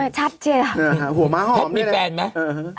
ไม่ชัดเจ๊อะท็อปมีแฟนไหม